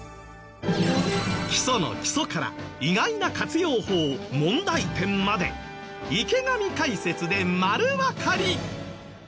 基礎の基礎から意外な活用法問題点まで池上解説でまるわかり！